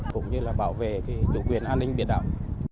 cũng như là bảo vệ chủ quyền an ninh biển đảo